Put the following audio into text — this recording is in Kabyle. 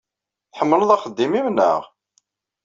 Tḥemmleḍ axeddim-nnem, naɣ?